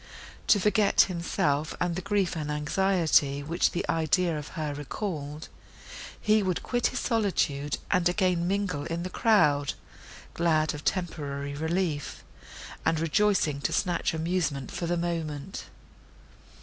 To forget himself and the grief and anxiety, which the idea of her recalled, he would quit his solitude, and again mingle in the crowd—glad of a temporary relief, and rejoicing to snatch amusement for the moment.